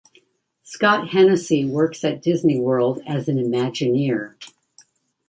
Scott Hennesy works at Disney World as an imagineer.